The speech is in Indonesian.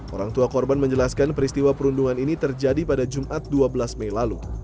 orang tua korban menjelaskan peristiwa perundungan ini terjadi pada jumat dua belas mei lalu